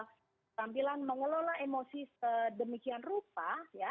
keterampilan mengelola emosi sedemikian rupa